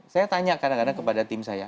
saya tanya kadang kadang kepada tim saya